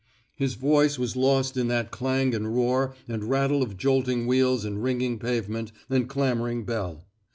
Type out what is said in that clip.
His voice was lost in that clang and roar and rattle of jolting wheels and ringing pavement and clamoring bell.